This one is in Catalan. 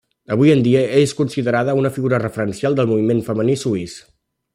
Avui en dia és considerada una figura referencial del moviment femení suís.